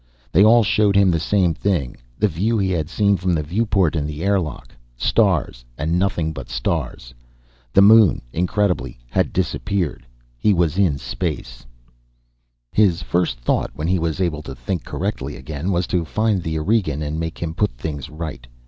They all showed him the same thing the view he had seen from the viewport in the airlock: stars, and nothing but stars. The Moon, incredibly, had disappeared. He was in space. His first thought, when he was able to think connectedly again, was to find the Aurigean and make him put things right.